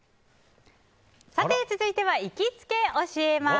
続いては行きつけ教えます！